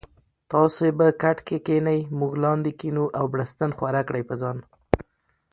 تاسي به کټکی کینې مونږ لاندې کینو او بړستن ښوره کړي په ځان